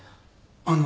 あの。